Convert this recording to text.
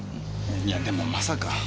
いやでもまさか。